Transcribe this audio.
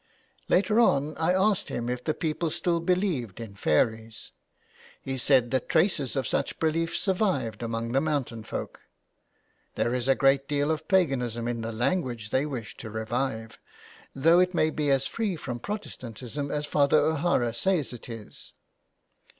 Later on I asked him if the people still believed in fairies. He said that traces of such beliefs survived among the mountain folk. " There is a great deal of Paganism in the language they wish to revive, though it may be as free from Protestantism as Father O'Hara says it is."